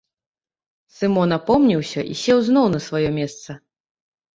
Сымон апомніўся і сеў зноў на сваё месца.